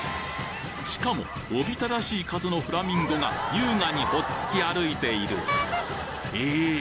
しかもおびただしい数のフラミンゴが優雅にほっつき歩いているえっ！？